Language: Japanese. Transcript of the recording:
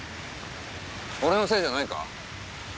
俺のせいじゃないか？